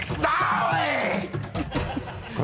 おい！